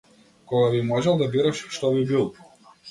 Кога би можел да бираш, што би бил?